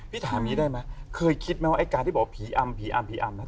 พี่ถามงี้ได้ไหมเคยคิดไหมว่าไอ้การที่บอกผีอำผีอำผีอำ